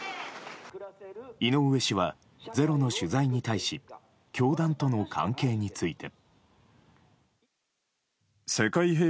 井上氏は「ｚｅｒｏ」の取材に対し教団との関係について。